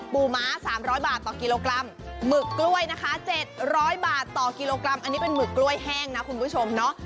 ม้า๓๐๐บาทต่อกิโลกรัมหมึกกล้วยนะคะ๗๐๐บาทต่อกิโลกรัมอันนี้เป็นหมึกกล้วยแห้งนะคุณผู้ชมเนาะ